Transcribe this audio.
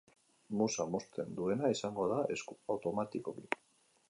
Musa mozten duena izango da esku, automatikoki.